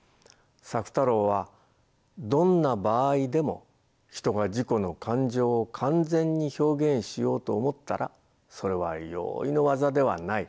朔太郎は「どんな場合でも人が自己の感情を完全に表現しようと思ったらそれは容易のわざではない。